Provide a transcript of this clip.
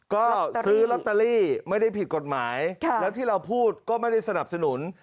ก็ซื้อลอตเตอรี่ไม่ได้ผิดกฎหมายแล้วที่เราพูดก็ไม่ได้สนับสนุน